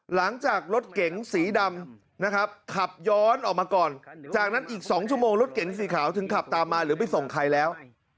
หลังจากรถเก๋งสีดำนะครับขับย้อนออกมาก่อนจากนั้นอีก๒ชั่วโมงรถเก๋งสีขาวถึงขับตามมาหรือไปส่งใครแล้ว